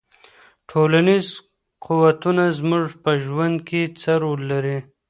ټولنیز قوتونه زموږ په ژوند کې څه رول لري؟